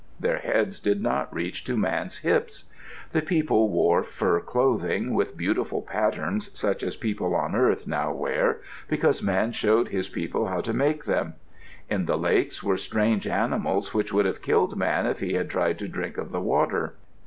Their heads did not reach to Man's hips. The people wore fur clothing, with beautiful patterns, such as people on earth now wear, because Man showed his people how to make them. In the lakes were strange animals which would have killed Man if he had tried to drink of the water.